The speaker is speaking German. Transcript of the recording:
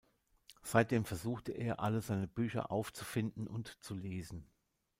Seitdem versuchte er, alle seine Bücher aufzufinden und zu lesen.